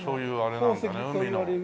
海の宝石といわれる。